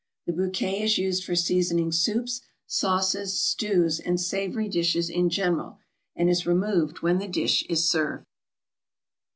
The bouquet is used for seasoning soups, sauces, stews, and savory dishes in general, and is removed when the dish is served.